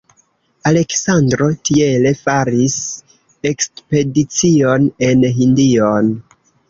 Aleksandro tiele faris ekspedicion en Hindion.